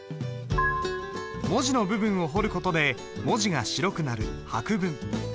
文字の部分を彫る事で文字が白くなる白文。